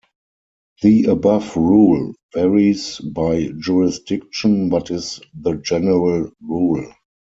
The above rule varies by jurisdiction, but is the general rule.